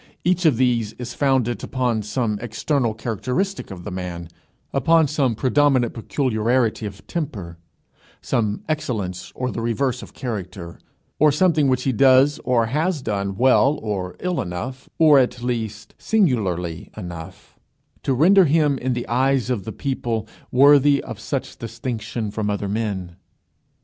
Each of these is founded upon some external characteristic of the man, upon some predominant peculiarity of temper, some excellence or the reverse of character, or something which he does or has done well or ill enough, or at least, singularly enough, to render him, in the eyes of the people, worthy of such distinction from other men.